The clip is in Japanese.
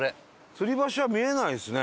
吊り橋は見えないですね